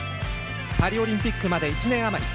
パリオリンピックまで１年あまり。